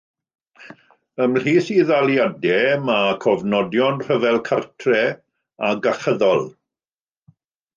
Ymhlith ei ddaliadau mae cofnodion Rhyfel Cartref ac achyddol.